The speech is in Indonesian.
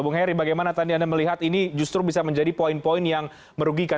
bung heri bagaimana tadi anda melihat ini justru bisa menjadi poin poin yang merugikan